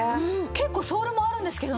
結構ソールもあるんですけどね。